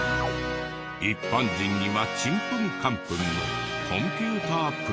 一般人にはちんぷんかんぷんのコンピュータープログラミング。